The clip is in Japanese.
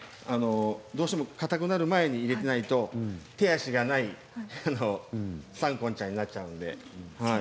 どうしてもかたくなる前に入れないと、手足がないサンショウちゃんになっちゃうので。